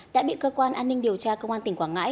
đã bị cơ quan an ninh điều tra công an tỉnh quảng ngãi